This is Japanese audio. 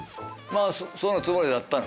まあそのつもりだったの。